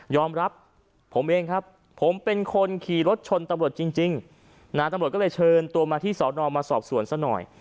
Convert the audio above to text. อมรับผมเองครับผมเป็นคนขี่รถชนตำรวจจริงนะตำรวจก็เลยเชิญตัวมาที่สอนอมาสอบสวนซะหน่อย